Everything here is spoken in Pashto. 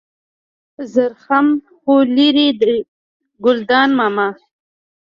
زرخم خو لېرې دی ګلداد ماما.